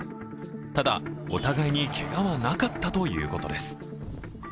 ただ、お互いにけがはなかったということです。